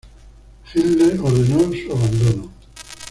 Hitler ordenó a su abandono.